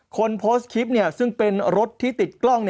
คนโพสต์คลิปซึ่งเป็นรถที่ติดกล้อง